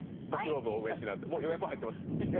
もう予約入ってます。